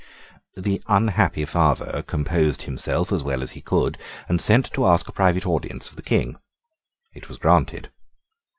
The unhappy father composed himself as well as he could, and sent to ask a private audience of the King. It was granted.